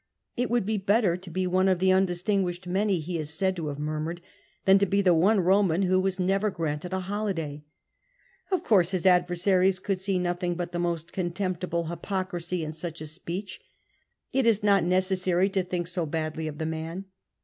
"It would be better to be one of the undistinguished many," he is said to have murmured, "than to be the one Roman who was never granted a holiday." Of course, his adversaries could see nothing but the most contemptible hypocrisy in such a speech. It is not necessary to think so badly of the man.